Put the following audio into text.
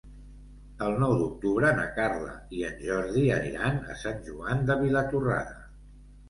El nou d'octubre na Carla i en Jordi aniran a Sant Joan de Vilatorrada.